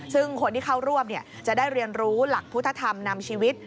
ซึ่งคนที่เข้าร่วมจะได้เรียนรู้หลักพุทธธรรมนำชีวิต